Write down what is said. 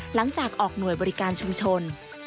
หลังจากออกหน่วยบริการชุมชน